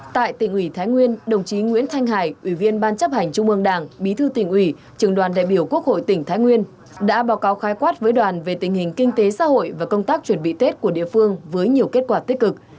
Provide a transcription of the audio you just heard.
tại tỉnh ủy thái nguyên đồng chí nguyễn thanh hải ủy viên ban chấp hành trung ương đảng bí thư tỉnh ủy trường đoàn đại biểu quốc hội tỉnh thái nguyên đã báo cáo khái quát với đoàn về tình hình kinh tế xã hội và công tác chuẩn bị tết của địa phương với nhiều kết quả tích cực